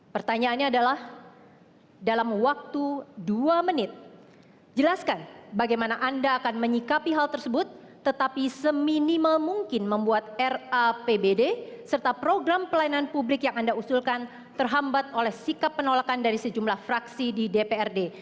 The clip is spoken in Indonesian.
pertanyaannya adalah dalam waktu dua menit jelaskan bagaimana anda akan menyikapi hal tersebut tetapi seminimal mungkin membuat rapbd serta program pelayanan publik yang anda usulkan terhambat oleh sikap penolakan dari sejumlah fraksi di dprd